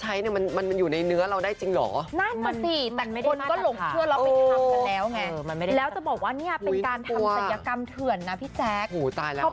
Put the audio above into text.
หูววท้ายแล้ว